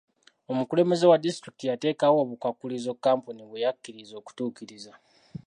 Omukulembeze wa disitulikiti yateekawo obukwakkulizo Kkampuni bwe yakkiriza okutuukiriza.